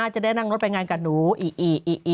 จะได้นั่งรถไปงานกับหนูอีอีอิ